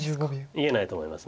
言えないと思います。